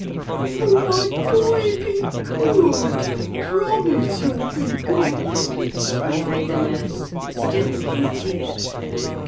'Oh, my boy be good! Promise you'll be good,' cried the nurse, still in tears.